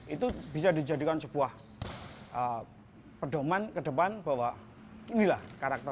itu bisa dijadikan sebuah pedoman ke depan bahwa inilah karakter